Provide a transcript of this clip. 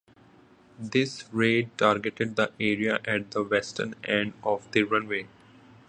This raid targeted the area at the western end of the runway.